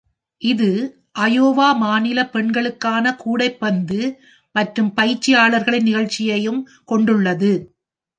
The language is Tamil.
இது அயோவா மாநில பெண்களுக்கான கூடைப்பந்து மற்றும் பயிற்சியாளர்களின் நிகழ்ச்சிகளையும் கொண்டுள்ளது.